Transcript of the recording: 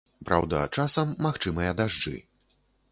Праўда, часам магчымыя дажджы.